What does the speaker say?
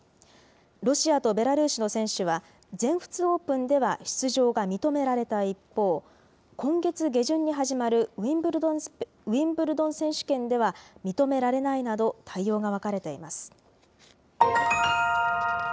ロシアとベラルーシの選手は、全仏オープンでは出場が認められた一方、今月下旬に始まるウィンブルドン選手権では認められないなど、対応が分かれています。